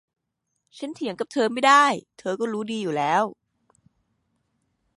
ฉันเถียงกับเธอไม่ได้ เธอก็รู้ดีอยู่แล้ว